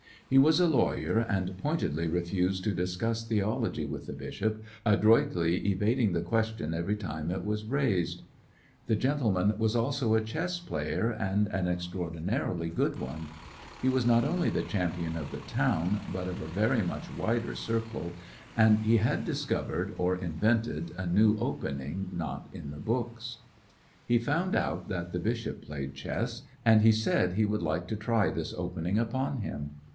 He was a lawyer, and pointedly refused to discuss theology with the bishop, adroitly evading the question every time it was raised. The gentleman was also a chess player, and an extmordinarily good one. He was not only the champion of the town, but of a very much wider circle, and he had discovered, or invented, a new opening not in the books. 187 Gambiingfor the children ^lecottections of a He found out that the bishop played chess^ and he said he would like to try this opening upon him.